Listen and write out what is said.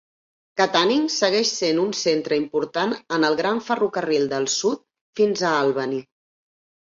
Katanning segueix sent un centre important en el Gran Ferrocarril del Sud fins a Albany.